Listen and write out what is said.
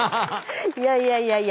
いやいやいやいや。